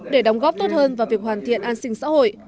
để đóng góp tốt hơn vào việc hoàn thiện an sinh xã hội